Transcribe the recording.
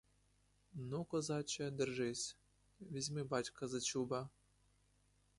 Ну, козаче, держись, візьми батька за чуба!